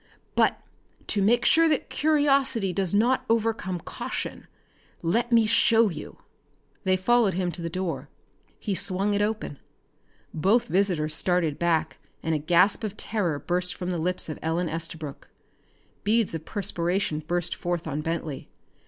But to make sure that curiosity does not overcome caution, let me show you!" They followed him to the door. He swung it open. Both visitors started back and a gasp of terror burst from the lips of Ellen Estabrook. Beads of perspiration burst forth on Bentley.